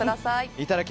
いただき！